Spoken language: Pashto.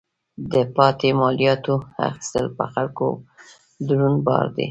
د پاتې مالیاتو اخیستل پر خلکو دروند بار دی.